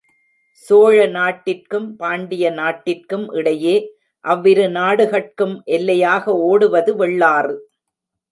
சோழ நாட்டிற்கும், பாண்டிய நாட்டிற்கும் இடையே அவ்விரு நாடுகட்கும் எல்லையாக ஓடுவது வெள்ளாறு.